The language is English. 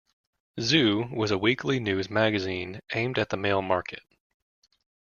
"Zoo" was a weekly news magazine aimed at the male market.